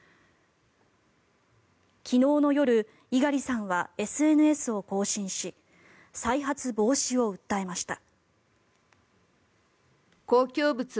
昨日の夜猪狩さんはＳＮＳを更新し再発防止を訴えました。